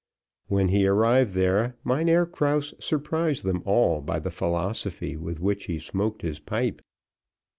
When he arrived there, Mynheer Krause surprised them all by the philosophy with which he smoked his pipe.